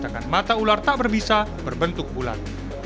sedangkan mata ular tak berbisa berbentuk bulat